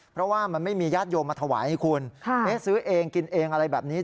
เพราะว่ามันไม่มีญาติโยมมาถวายให้คุณซื้อเองกินเองอะไรแบบนี้